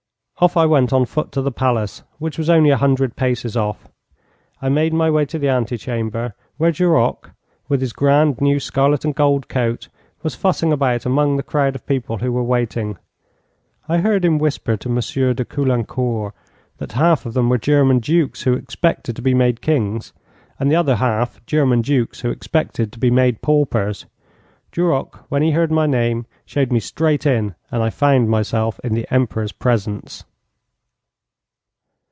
Off I went on foot to the palace, which was only a hundred paces off. I made my way to the ante chamber, where Duroc, with his grand new scarlet and gold coat, was fussing about among the crowd of people who were waiting. I heard him whisper to Monsieur de Caulaincourt that half of them were German Dukes who expected to be made Kings, and the other half German Dukes who expected to be made paupers. Duroc, when he heard my name, showed me straight in, and I found myself in the Emperor's presence.